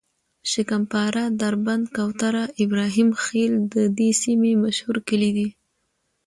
شکم پاره، دربند، کوتره، ابراهیم خیل د دې سیمې مشهور کلي دي.